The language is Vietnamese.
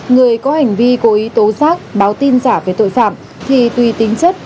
người có hành vi cố ý tố giác báo tin giả về tội phạm thì tùy tính chất